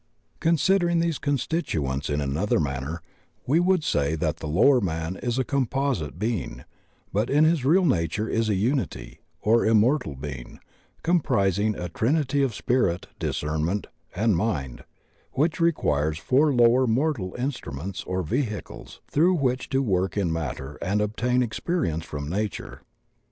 Considering these constituents in another manner, we would say that the lower man is a composite be ing, but in his real nature is a unity, or immortal being, comprising a trinity of Spirit, Discernment, and Mind which requires four lower mortal instruments or ve hicles through which to work in matter and obtain ex perience from Nature.